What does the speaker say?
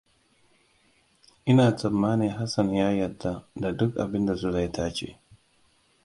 Ina tsammanin Hassan ya yarda da duk abinda Zulai ta ce.